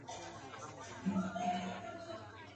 خداى به خوښ هم له سر کار هم له قاضي وي.